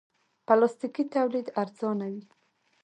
پلاستيکي تولید ارزانه وي.